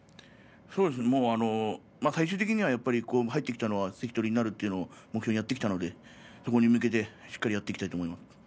そうですね、最終的には入ってきたのは関取になるというのを目標にやってきたのでそこに向けて、しっかりやっていきたいと思います。